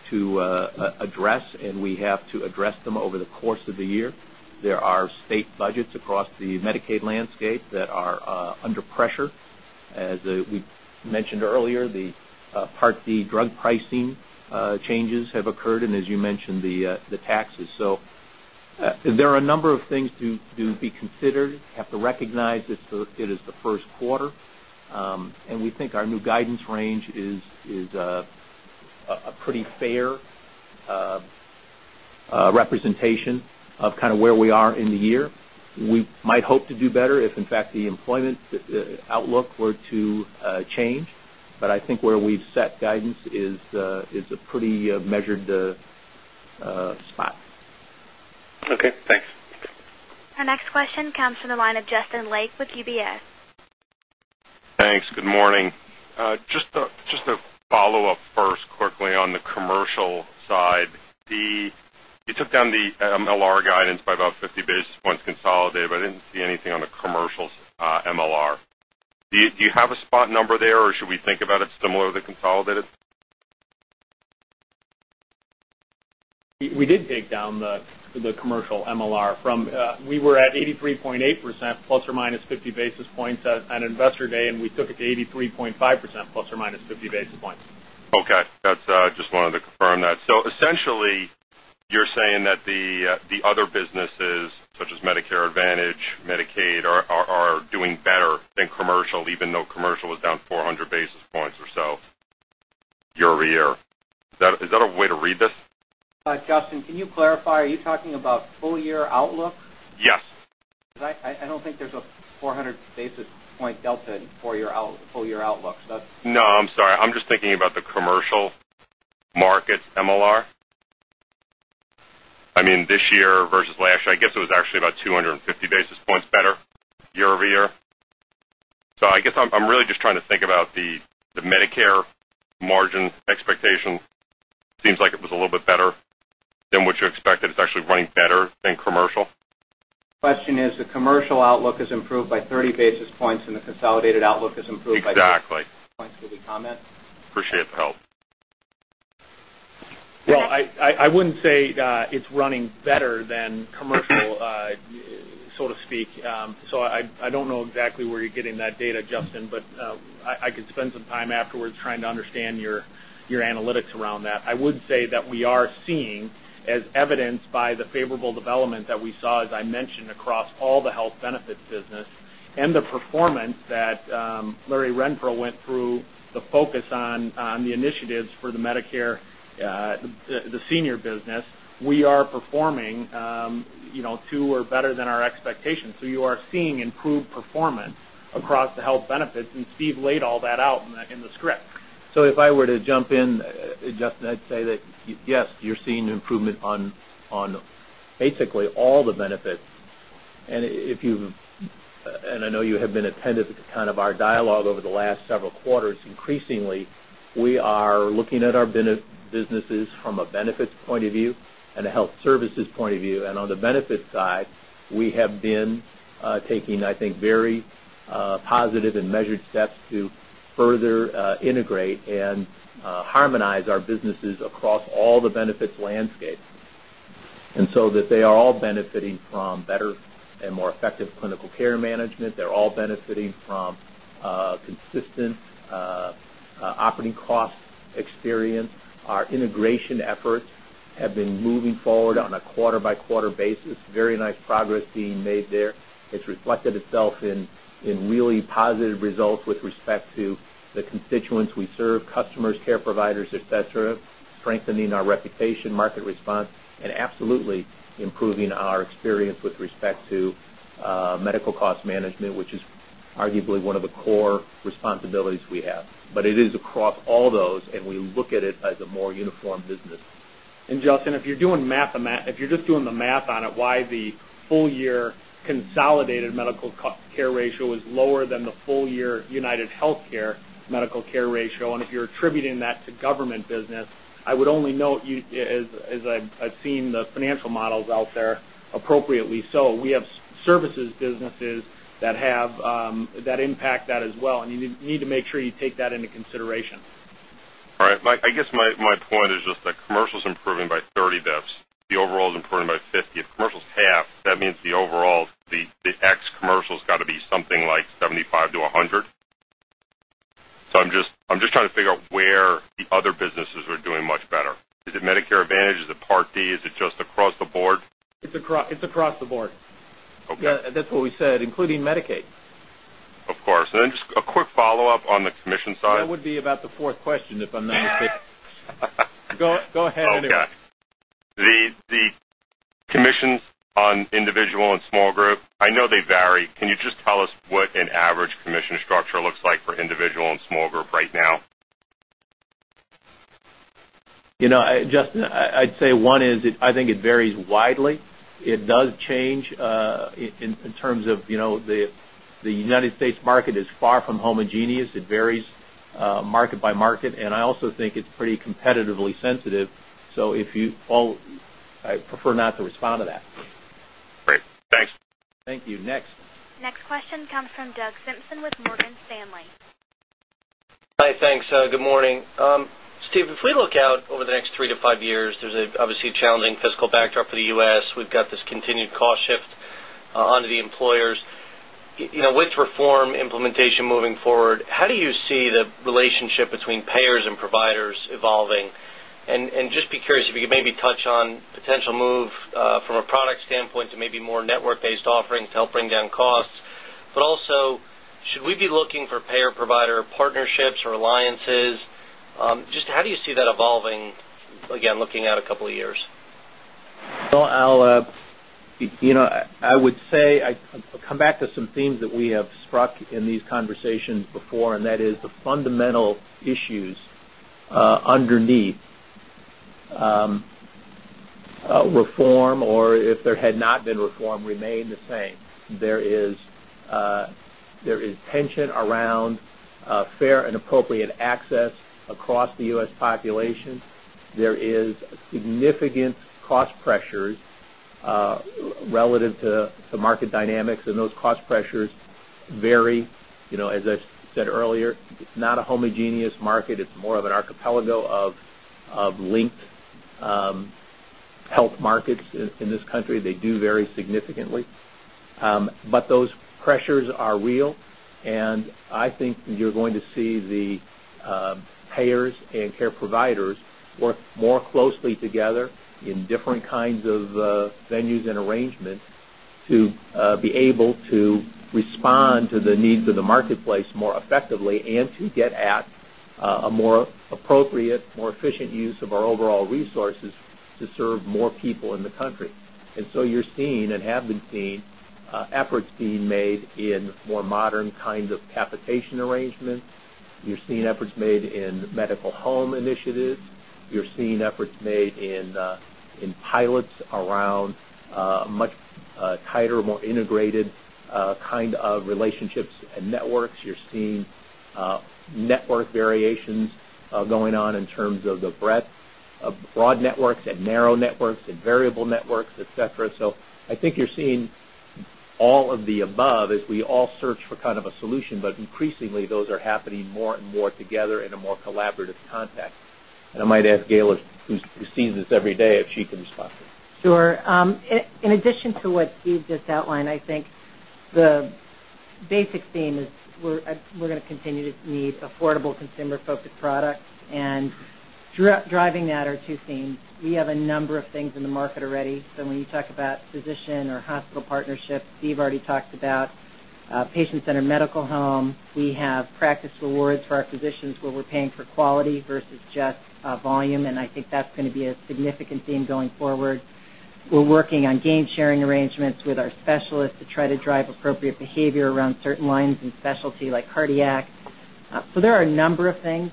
to address and we have to address them over the course of the year. There are state budgets across the Medicaid landscape that are under pressure. As we mentioned earlier, the Part D drug pricing changes have occurred and as you mentioned the taxes. So there are a number of things to be considered. You have to recognize it is the Q1. And we think our new guidance range is a pretty fair representation of kind of where we are in the year. We might hope to do better if in fact the employment outlook were to change. But I think where we've set guidance is a pretty measured spot. Okay, thanks. Our next question comes from the line of Justin Lake with UBS. Thanks. Good morning. Just a follow-up first quickly on the commercial side. You took down the MLR guidance by about 50 basis points consolidated, but I didn't see anything on the commercial's MLR. Do you have a spot number there or should we think about it similar to the consolidated? We did take down the commercial MLR from we were at 83.8 percent plus or minus 50 basis points at Investor Day and we took it to 83.5 percent plus or minus 50 basis points. Okay. That's just wanted to confirm that. So essentially, you're saying that the other businesses such as Medicare Advantage, Medicaid are doing better than commercial even though commercial was down 400 basis points or so year over year. Is that a way to read this? Justin, can you clarify, are you talking about full year outlook? Yes. I don't think there's a 400 basis point delta in full year outlook. No, I'm sorry. I'm just thinking about the commercial markets MLR. I mean, this year versus last year, I guess it was actually about 2 50 basis points better year over year. So, I guess I'm really just trying to think about the Medicare margin expectation. It seems like it was a little bit better than what you expected. It's actually running better than commercial. Question is the commercial outlook has improved by 30 basis points and the consolidated outlook has improved by 30 basis points. Appreciate the help. Well, I wouldn't say it's running some some time afterwards trying to understand your analytics around that. I would say that we are seeing, as evidenced by the favorable development initiatives for the Medicare, the performance that Larry Renfro went through the focus on the initiatives for the Medicare, the senior business, we are performing 2 or better than our expectations. So you are seeing improved performance across the health benefits and Steve laid all that out in the script. So if I were to jump in, Justin, I'd say that, yes, you're seeing improvement on basically all the benefits. And if you and I know you have been attentive to kind of our dialogue over the last several quarters increasingly, we are looking at our businesses from a benefits point of view and a health services point of view. And on the benefits side, we have been taking, I think, very positive and measured steps to further integrate and harmonize our businesses across all the benefits landscape. And so that they are all benefiting from better and more effective clinical care management. They're all benefiting from consistent operating cost experience. Our integration efforts have been moving forward on a quarter by quarter basis, very nice progress being made there. It's reflected itself in really positive results with respect to the constituents we serve, customers, care providers, etcetera, strengthening our reputation, market response and absolutely improving our experience with respect to medical cost management, which is arguably one of the core responsibilities we have. But it is across all those and we look at it as a more uniform business. And Justin, if you're doing math on that, if you're just doing the math on it, why the full year consolidated medical care ratio was lower than the full year UnitedHealthcare medical care ratio. And if you're attributing that to government business, I would only note as I've seen the financial models out there appropriately. So we have services businesses that have that impact that as well and you need to make sure you take that into consideration. Right. I guess my point is just that commercial is improving by 30 bps, the overall is improving by 50. If commercial is half, that means the overall the ex commercial has got to be something like 75 to 100. So, I'm just trying to figure out where the other businesses are doing much better. Is it Medicare Advantage? Is it Part D? Is it just across the board? It's across the board. Okay. That's what we said, including Medicaid. Of course. And then just a quick follow-up on the commission side? That would be about the 4th question, if I'm not mistaken. Go ahead, anyway. Okay. The commissions on individual and small group, I know they vary. Can you just tell us what an average commission structure looks like for individual and small group right now? Justin, I'd say one is, I think it varies widely. It does change in terms of the United States market is far from homogeneous. It varies market by market. And I also think it's pretty competitively sensitive. So if you all I prefer not to respond to that. Great. Thanks. Thank you. Next question comes from Doug Simpson with Morgan Stanley. Hi, thanks. Good morning. Steve, if we look out over the next 3 to 5 years, there's obviously a challenging fiscal backdrop the U. S. We've got this continued cost shift onto the employers. With reform implementation moving forward, how do you the relationship between payers and providers evolving? And just be curious if you could maybe touch on potential move from a product standpoint to maybe more network based offerings to help bring down costs, but also should we be looking for payer provider partnerships or alliances? Just how do you see that evolving again looking at a couple of years? So, I would say I come back to some themes that we have struck in these conversations before and that is the fundamental issues underneath reform or if there had not been reform remain the same. There is tension around fair and appropriate access across the U. S. Population. There is significant cost pressures relative to market dynamics and those cost pressures vary. As I said earlier, it's not a homogeneous market, it's more of an archipelago of linked health markets in this country, they do vary significantly. But those pressures are real. And I think you're going to see the payers and care providers work more closely together in different kinds of venues and arrangements to be able to respond to the needs of the marketplace more effectively and to get at a more appropriate, more efficient use of our overall resources to serve more people in the country. And so you're seeing and have been seeing efforts being made in more modern kind of capitation arrangements. You're seeing efforts made in medical home initiatives. You're seeing efforts made in pilots around much tighter, more integrated kind of relationships and networks. You're seeing network variations going on in terms of the breadth of broad networks and narrow networks and variable networks, etcetera. So I think you're seeing all of the above as we all search for kind of a solution, but increasingly those are happening more and more together in a more collaborative context. And I might ask Gail who sees this every day if she can respond to it. Sure. In addition to what Steve just outlined, I think the basic theme is we're going to continue to need affordable consumer focused products. And driving that are two themes. We have a number of things in the market already. So when you talk about physician or hospital partnerships, Steve already talked about patient centered medical home. We have practice rewards for our physicians where we're paying for quality versus just volume and I think that's going to be a significant theme going forward. We're working on game sharing arrangements with our specialists to try to drive appropriate behavior around certain lines in specialty like cardiac. So there are a number of things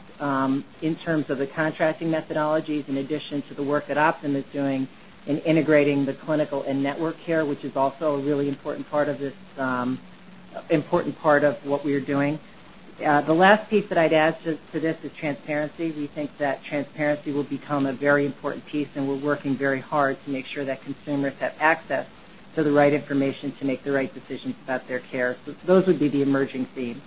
in terms of the contracting methodologies in addition to the work that Optum is doing in integrating the clinical in network care, which is also a really important part of this important part of what we are doing. The last piece that I'd add to this transparency. We think that transparency will become a very important piece and we're working very hard to make sure that consumers have access to the right information to make the right decisions about their care. So those would be the emerging themes.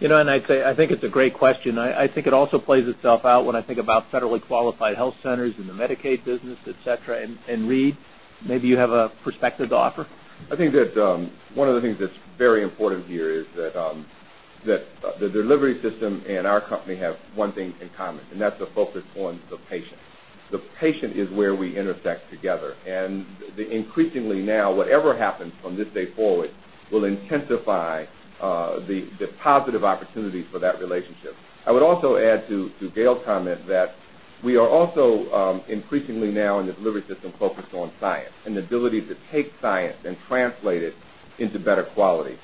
And I'd say, I think it's a great question. I think it also plays itself out when I think about federally qualified health centers in the Medicaid business, etcetera. And Reed, maybe you have a perspective to offer? I think that one of the things that's very important here is that the delivery system and our company have one thing in common and that's the focus on the patient. The patient is where we intersect together. And increasingly now whatever happens on this day forward will intensify the positive opportunities for that relationship. I would also add to Gail's comment that we are also increasingly now in this Liberty System focused on science and the ability to take science and translate it into better quality.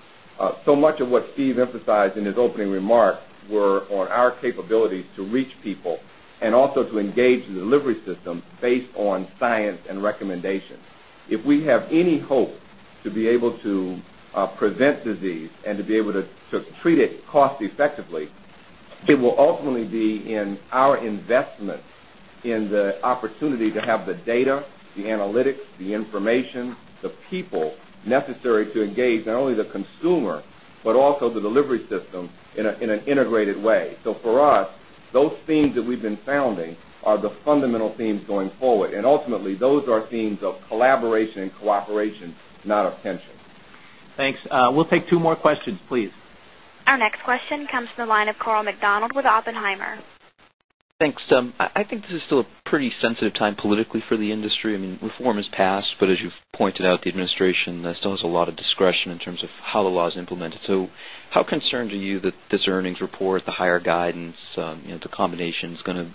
So much of what Steve emphasized in his opening remarks were on our capabilities to reach people and also to engage the delivery system based on science and recommendations. If we have any hope to be able to prevent disease and to be able to treat it cost effectively, it will ultimately be in our investment in the opportunity to have the data, the analytics, the information, the people necessary to engage not only the consumer, but also the delivery system in an integrated way. So for us, those themes that we've been founding are the fundamental themes going forward. And ultimately, those are themes of collaboration and cooperation, not of tension. Thanks. We'll take 2 more questions, please. Our next question comes from the line of Carl MacDonald with Oppenheimer. Thanks. I think this is still a pretty sensitive time politically for the industry. I mean, reform has passed, but as you've pointed out the administration still has a lot of discretion in terms of how the law is implemented. So how concerned are you that this earnings report, the higher guidance, the combination is going to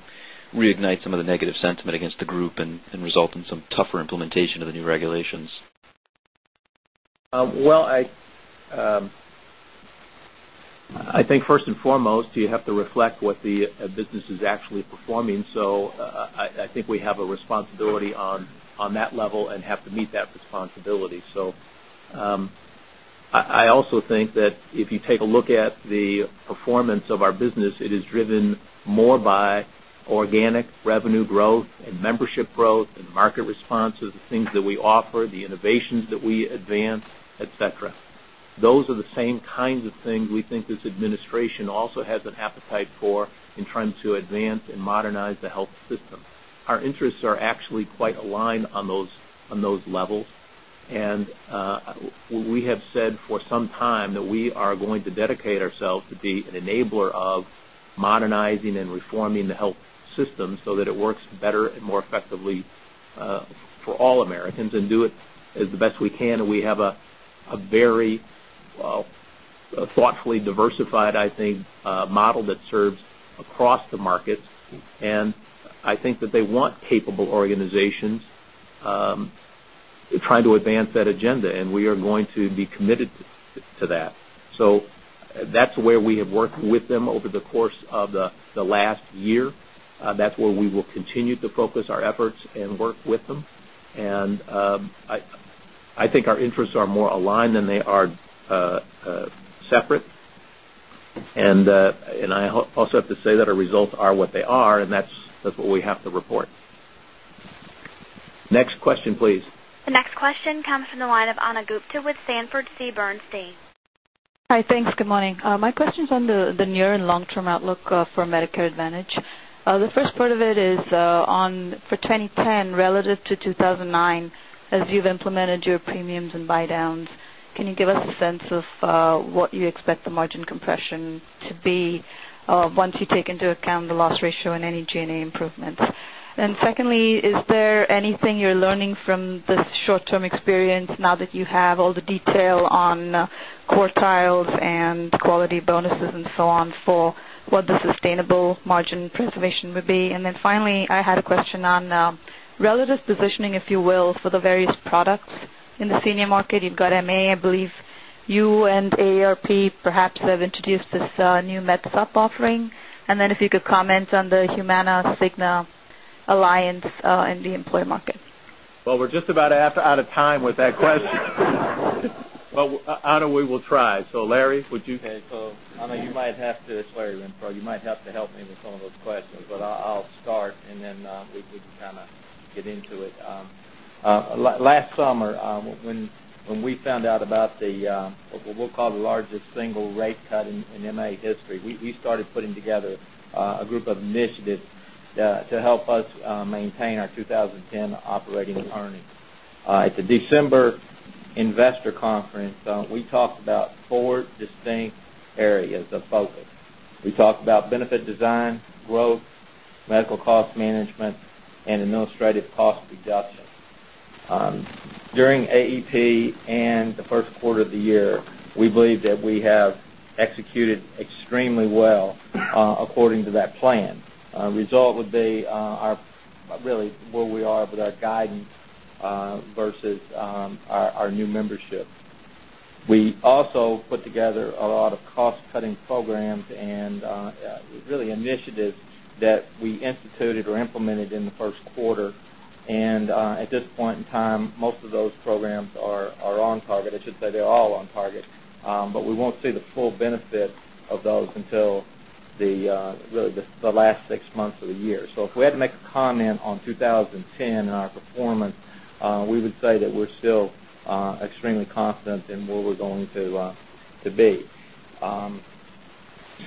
reignite some of the negative sentiment against the group and result in some tougher implementation of the new regulations? Well, I think 1st and foremost, you have to reflect what the business is actually performing. So, I think we have a responsibility on that level and have to meet that responsibility. So I also think that if you take a look at the performance of our business, it is driven more by organic revenue growth and membership growth and market responses, the things that we offer, the innovations that we advance, etcetera. Those are the same kinds of things we think this administration also has an appetite for in trying to advance and modernize the health system. Our interests are actually quite aligned on those levels. And we have said for some time that we are going to dedicate ourselves to be an enabler of modernizing and reforming the health system so that it works better and more effectively for all Americans and do it as the best we can. And we have a very thoughtfully diversified, I think, model that serves across the markets. And I think that they want capable organizations trying to advance that agenda and we are going to be committed to that. So that's where we have worked with them over the course of the last year. That's where we will continue to focus our efforts and work with them. And I think our interests are more aligned than they are separate. And I also have to say that our results are what they are and that's what we have to report. Next question please. The next question comes from the line of Ana Gupte with Sanford C. Bernstein. Hi, thanks. Good morning. My question is on the near and long term outlook for Medicare Advantage. The first part of it is on for 20 10 relative to 2,009 as you've implemented your premiums and buy downs, can you give us a sense of what you expect the margin compression to be once you take into account the loss ratio and any G and A improvements? And secondly, is there anything you're learning from this short term experience now that you have all the detail on quartiles and quality bonus and so on for what the sustainable margin preservation would be? And then finally, I had a question on relative positioning, if you will, for the various products in the senior market. You've got MA, I believe you and AARP perhaps have introduced this new Med supp offering. And if you could comment on the Humana Cigna alliance in the employee market? Well, we're just about out of time with that question. Ono, we will try. So Larry, would you? Okay. So I know you might have to it's Larry Winpro, you might have to help me with some of those questions, but I'll start and then we can kind of get into it. Last summer, when we found out about the what we'll call the largest single rate cut in MA history, we started putting together a group of initiatives to help us maintain our 20 10 operating earnings. At the December Investor Conference, we talked about 4 distinct areas of focus. We talked about benefit design, growth, medical cost management and administrative cost reduction. During AEP and the Q1 of the year, we believe that we have executed extremely well according to that plan. Result would be really where we are with our guidance versus our new membership. We also put together a lot of cost cutting programs and really initiatives that we instituted or implemented in the Q1. And at this point in time, most of those programs are on target. I should say they're all on target. But we won't see the full benefit of those until the really the last 6 months of the year. So if we had to make a comment on 2010 and our performance, we would say that we're still extremely confident in where we're going to be.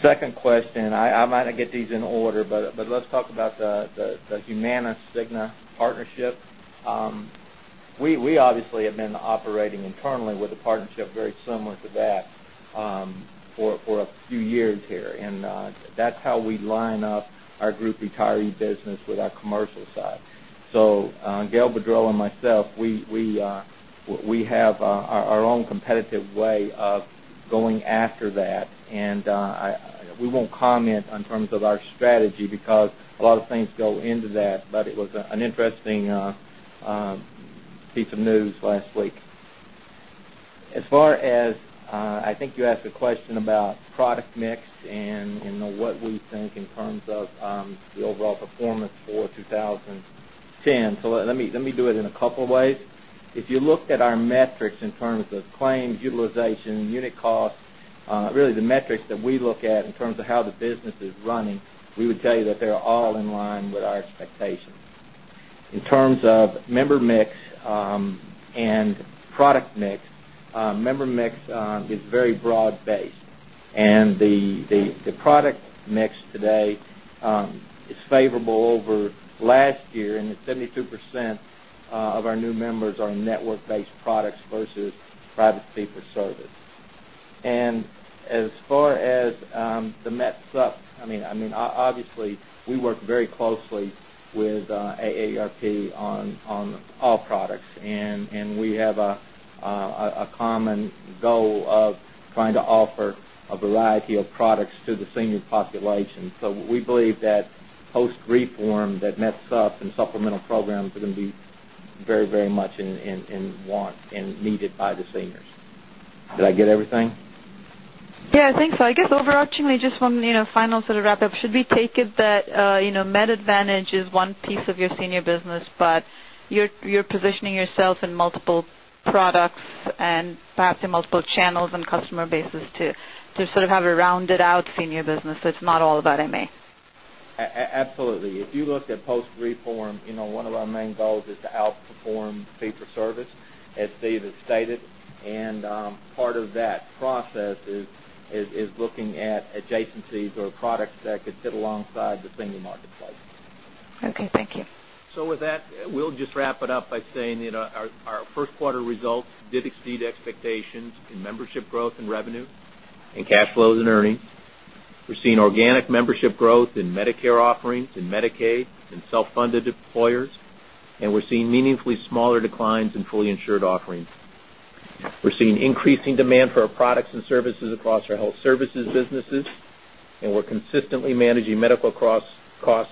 2nd question, I might not get these in order, but let's talk about the Humana Cigna partnership. We obviously been operating internally with a partnership very similar to that for a few years here. And that's how we line up our group retiree business with our commercial side. So Gail Budrell and myself, we have our own competitive way of going after that. And we won't comment in terms of our strategy because a lot of things go into that, but it was an interesting piece of news last week. As far as I think you asked a question about product mix and what we think in terms of the overall performance for 2010. So let me do it in a couple of ways. If you look at our metrics in terms of claims utilization, unit costs, really the metrics that we look at in terms of how the business is running, we would tell you that they're all in line with our expectations. In terms of member mix and product mix, member mix is very broad based. And the product mix today is favorable over last year and it's 72% of our new members are network based products versus private fee for service. And as far as the MET supp, I mean, obviously, we work very closely with AARP on all products. And we have a common goal of trying to offer a variety of products to the senior population. So we believe that post reform that Med supp and supplemental programs are going to be very, very much in want and needed by the seniors. Did I get everything? Yes. Thanks. So I guess, overarchingly, just one final sort of wrap up. Should we take it that Med Advantage is one piece of your senior business, but you're positioning yourself in multiple products and perhaps in multiple channels and customer basis to sort of have a rounded out senior business, so it's not all about MA? Absolutely. If you look at post reform, one of our main goals is to outperform fee for service, as Steve has stated. And part of that process is looking at adjacencies or products that could fit alongside the senior marketplace. Okay. Thank you. With that, we'll just wrap it up by saying our Q1 results did exceed expectations in membership growth and revenue and cash flows and earnings. We're seeing organic membership growth in Medicare offerings in Medicaid and self funded employers and we're seeing meaningfully smaller declines in fully insured offerings. We're seeing increasing demand for our products and services across our health services businesses and we're consistently managing medical costs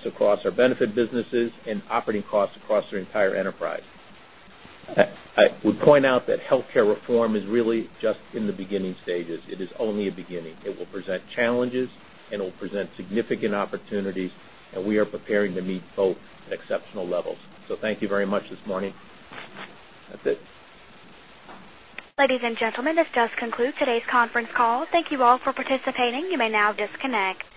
across our benefit businesses and operating costs across our entire enterprise. I would point out that health care reform is really just in the beginning stages. It is only a beginning. It will present challenges and will present significant opportunities and we are preparing to meet both at exceptional levels. So thank you very much this morning. That's it.